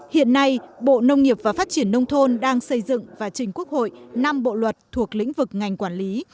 hiện nay bộ nông nghiệp và phát triển nông thôn đang xây dựng và trình quốc hội năm bộ luật thuộc lĩnh vực ngành quản lý